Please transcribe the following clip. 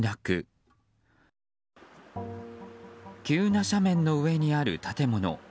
急な斜面の上にある建物。